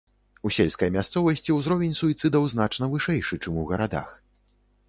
У сельскай мясцовасці ўзровень суіцыдаў значна вышэйшы, чым у гарадах.